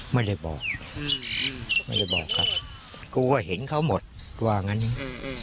ไม่ได้บอกอืมไม่ได้บอกครับกูก็เห็นเขาหมดกว่างั้นเออเออ